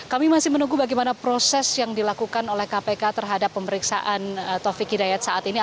kami masih menunggu bagaimana proses yang dilakukan oleh kpk terhadap pemeriksaan taufik hidayat saat ini